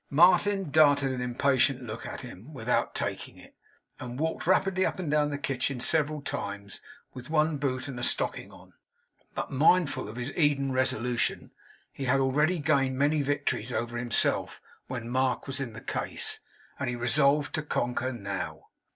Martin darted an impatient look at him, without taking it, and walked rapidly up and down the kitchen several times, with one boot and a stocking on. But, mindful of his Eden resolution, he had already gained many victories over himself when Mark was in the case, and he resolved to conquer now.